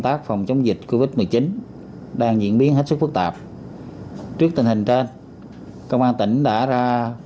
tác phòng chống dịch covid một mươi chín đang diễn biến hết sức phức tạp trước tình hình trên công an tỉnh đã ra